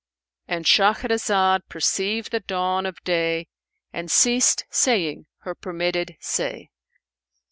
"—And Shahrazad perceived the dawn of day and ceased saying her permitted say.